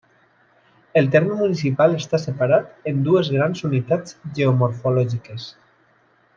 El terme municipal està separat en dues grans unitats geomorfològiques.